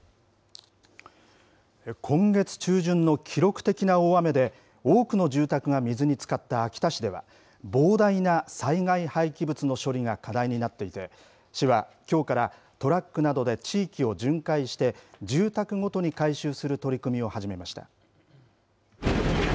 今月中旬の記録的な大雨で、多くの住宅が水につかった秋田市では、膨大な災害廃棄物の処理が課題になっていて、市はきょうからトラックなどで地域を巡回して、住宅ごとに回収する取り組みを始めました。